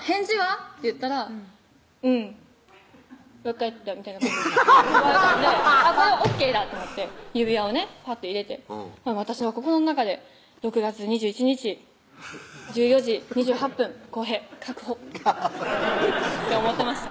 返事は？」って言ったら「うん分かった」みたいな感じで言われたんでＯＫだと思って指輪をねぱって入れて私の心の中で「６月２１日１４時２８分」「晃平確保」って思ってました